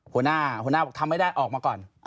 หัวหน้าหัวหน้าบอกทำไม่ได้ออกมาก่อน